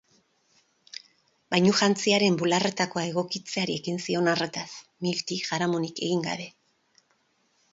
Bainujantziaren bularretakoa egokitzeari ekin zion arretaz, Milti jaramonik egin gabe.